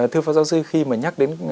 thưa pháp giáo sư khi mà nhắc đến